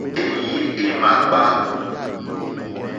Éèyé é màkpá.